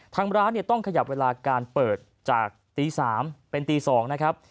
ทางร้านต้องขยับเวลาการเปิดจากตี๓เป็นตี๒นะครับ